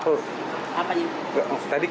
sayangnya ketawa dia lewat kesinggung gitu